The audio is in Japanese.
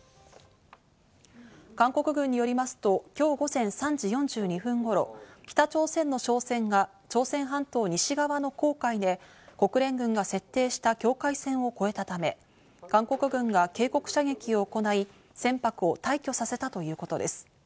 韓国軍によりますと、今日午前３時４２分頃、北朝鮮の商船が朝鮮半島西側の黄海で国連軍が設定した境界線を越えたため、韓国軍が警告射撃を行い、船舶を退去させたということです。